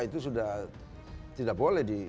itu sudah tidak boleh